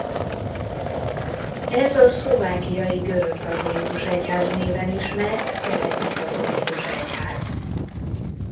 Ez a szlovákiai görögkatolikus egyház néven ismert keleti katolikus egyház.